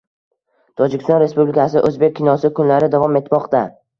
Tojikiston Respublikasida “O‘zbek kinosi kunlari” davom etmoqda